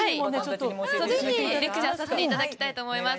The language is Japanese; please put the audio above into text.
レクチャーさせていただきたいと思います。